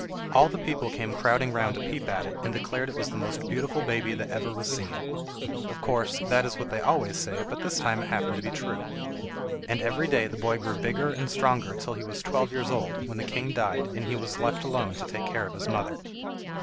All the people came crowding round to peep at it, and declared it was the most beautiful baby that ever was seen. Of course that is what they always say, but this time it happened to be true. And every day the boy grew bigger and stronger till he was twelve years old, when the king died, and he was left alone to take care of his mother.